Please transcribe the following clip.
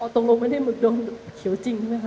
ตรงลงไม่ได้หมึกดมเขียวจริงใช่ไหมคะ